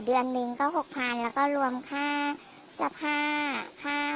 เดือนหนึ่งก็๖๐๐๐แล้วก็รวมค่าเสื้อผ้าค่า